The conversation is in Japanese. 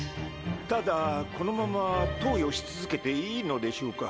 ただこのまま投与し続けていいのでしょうか？